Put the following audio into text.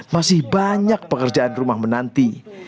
masih banyak pekerjaan rumah menanti